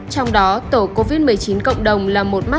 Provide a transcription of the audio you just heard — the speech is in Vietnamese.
trong đó tổ covid một mươi chín cộng đồng là một mắt